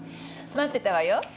待ってたわよ。